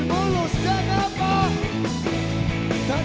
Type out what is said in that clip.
lampunya pun indah